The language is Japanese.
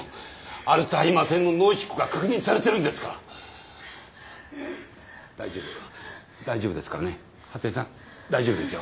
アルツハイマー性の脳萎縮が確認されてるんですから大丈夫大丈夫ですからね初枝さん大丈夫ですよ